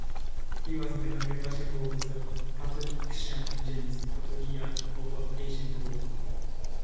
He was a member of the patrician gens "Papiria" of ancient Rome.